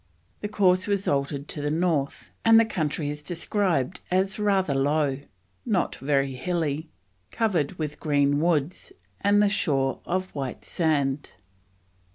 The course was altered to the north, and the country is described as rather low, not very hilly, covered with green woods, and the shore of white sand.